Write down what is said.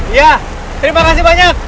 iya terima kasih banyak